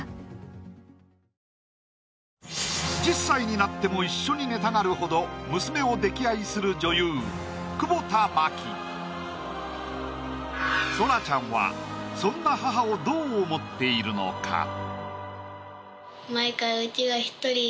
１０歳になっても一緒に寝たがるほど娘を溺愛する女優・久保田磨希空ちゃんはそんな母をどう思っているのか？